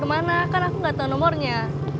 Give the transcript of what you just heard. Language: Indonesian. gue telfon kemana kan aku gak tau nomornya